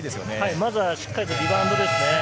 まずはしっかりリバウンドです。